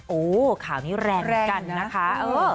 โอ้โฮข่าวนี้แรงกันนะคะเออ